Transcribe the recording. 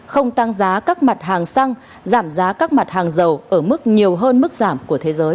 không tăng giá các mặt hàng xăng giảm giá các mặt hàng dầu ở mức nhiều hơn mức giảm của thế giới